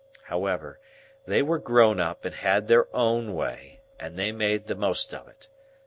However, they were grown up and had their own way, and they made the most of it.